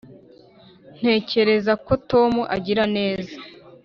ntekereza ko tom agira neza.